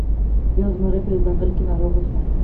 یو زمری په یوه ځنګل کې ناروغ شو.